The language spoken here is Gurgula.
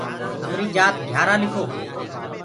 همريٚ جآت گھِيآرآ لِکو۔